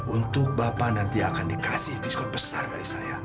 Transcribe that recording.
untuk bapak nanti akan dikasih diskon besar dari saya